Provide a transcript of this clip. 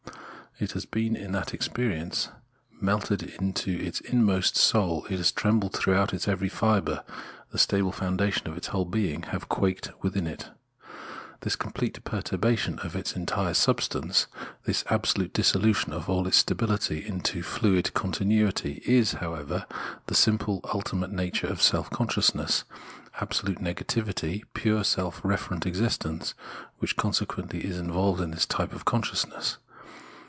It has been in that experience melted to its inmost soul, has trembled throughout its every fibre, the stable foundations of its whole being have quaked within it. This complete perturbation of its entire substance, this absolute dissolution of all its stabihty into fluent continuity, is, however, the simple, ultimate nature of self consciousness, abso lute negativity, pure self referrent existence, which consequently is involved in this type of consciousness.